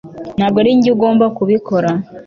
ntabwo arinjye ugomba kubikora